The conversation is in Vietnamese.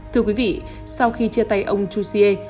thưa quý vị sau khi chia tay ông chu xie